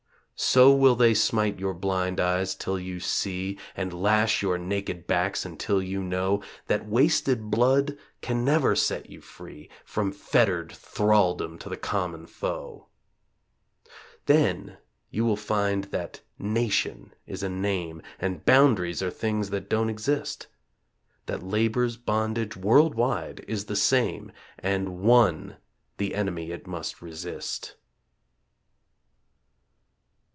So will they smite your blind eyes till you see, And lash your naked backs until you know That wasted blood can never set you free From fettered thraldom to the Common Foe. Then you will find that "nation" is a name And boundaries are things that don't exist; That Labor's bondage, worldwide, is the same, And ONE the enemy it must resist.